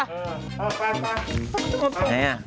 เออไป